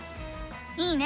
いいね！